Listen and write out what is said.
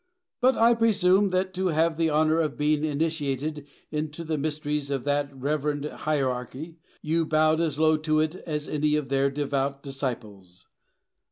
But I presume that, to have the honour of being initiated into the mysteries of that reverend hierarchy, you bowed as low to it as any of their devout disciples.